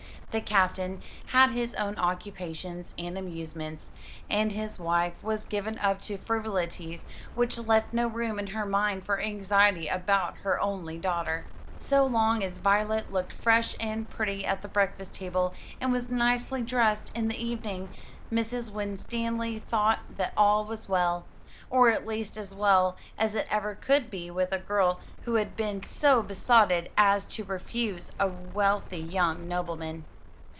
The Captain had his own occupations and amusements, and his wife was given up to frivolities which left no room in her mind for anxiety about her only daughter. So long as Violet looked fresh and pretty at the breakfast table, and was nicely dressed in the evening, Mrs. Winstanley thought that all was well; or at least as well as it ever could be with a girl who had been so besotted as to refuse a wealthy young nobleman.